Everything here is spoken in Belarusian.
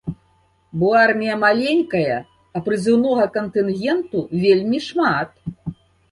Бо армія маленькая, а прызыўнога кантынгенту вельмі шмат.